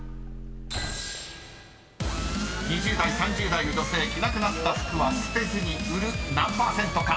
［２０代３０代の女性着なくなった服は捨てずに売る何％か。